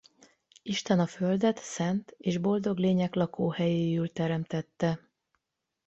Isten a földet szent és boldog lények lakóhelyéül teremtette.